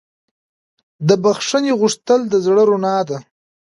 د بښنې غوښتل د زړه رڼا ده.